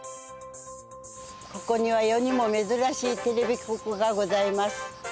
ここには世にも珍しいテレビ局がございます。